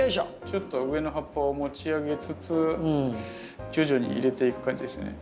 ちょっと上の葉っぱを持ち上げつつ徐々に入れていく感じですね。